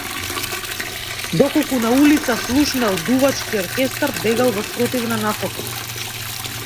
Доколку на улица слушнел дувачки оркестар, бегал во спротивна насока.